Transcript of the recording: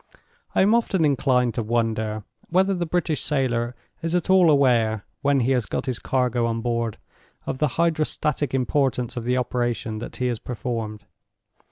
I am often inclined to wonder whether the British sailor is at all aware, when he has got his cargo on board, of the Hydrostatic importance of the operation that he has performed.